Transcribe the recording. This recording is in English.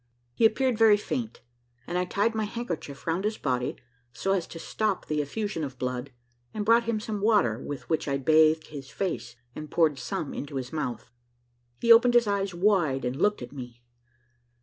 He appeared very faint, and I tied my handkerchief round his body, so as to stop the effusion of blood, and brought him some water, with which I bathed his face, and poured some into his mouth. He opened his eyes wide, and looked at me.